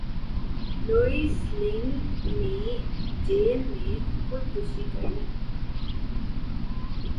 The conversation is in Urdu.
لوئیس لنگ نے جیل میں خود کشی کر لی